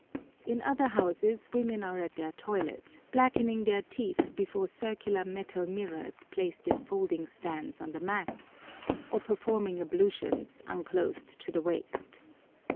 In other houses women are at their toilet, blackening their teeth before circular metal mirrors placed in folding stands on the mats, or performing ablutions, unclothed to the waist.